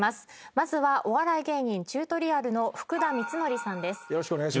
まずはお笑い芸人チュートリアルの福田充徳さんです。